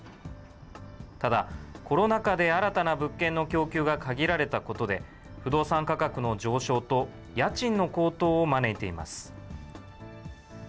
ただ、コロナ禍で新たな物件の供給が限られたことで、不動産価格の上昇と家賃の高騰を招いています。